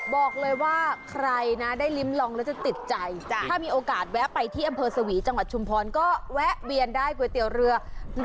บอกเลยว่าใครนะได้ลิ้มลองแล้วจะติดใจถ้ามีโอกาสแวะไปที่อำเภอสวีจังหวัดชุมพรก็แวะเวียนได้ก๋วยเตี๋ยวเรือ